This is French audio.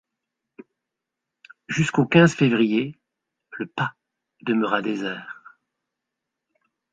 Jusqu’au quinze février, le pah demeura désert.